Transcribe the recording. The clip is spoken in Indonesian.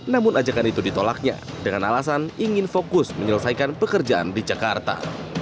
namun ajakan itu ditolaknya dengan alasan ingin fokus menyelesaikan pekerjaan di jakarta